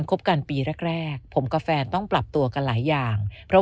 คบกันปีแรกแรกผมกับแฟนต้องปรับตัวกันหลายอย่างเพราะ